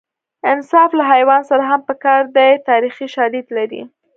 انصاف له حیوان سره هم په کار دی تاریخي شالید لري